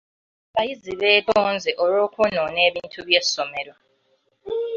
Abayizi beetonze olw'okwonoona ebintu by'essomero.